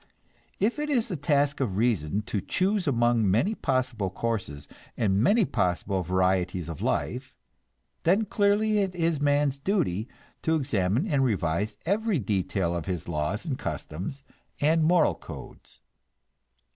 If it is the task of reason to choose among many possible courses and many possible varieties of life, then clearly it is man's duty to examine and revise every detail of his laws and customs and moral codes.